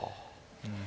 うん。